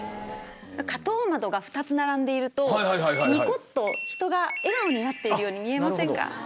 花頭窓が２つ並んでいるとにこっと人が笑顔になっているように見えませんか。